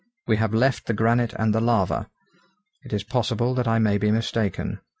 We have left the granite and the lava. It is possible that I may be mistaken.